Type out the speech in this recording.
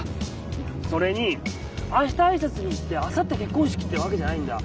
それに明日挨拶に行ってあさって結婚式ってわけじゃないんだ。